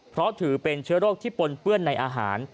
เพราะถือเป็นเชื้อโรคที่ปนเปื้อนในอาหาร